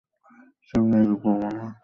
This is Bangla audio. সামনে এগুবে না।